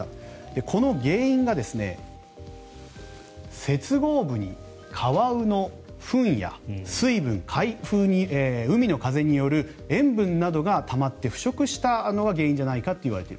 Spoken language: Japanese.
この原因が接合部にカワウのフンや水分海風による塩分などがたまって腐食したのが原因じゃないかと言われてる。